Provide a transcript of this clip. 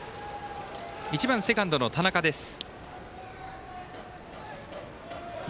１番セカンドの田中です。